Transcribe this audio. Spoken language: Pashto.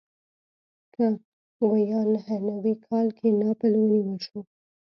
په ویا نهه نوي کال کې ناپل ونیول شو.